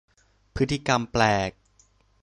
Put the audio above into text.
พฤติกรรมแปลก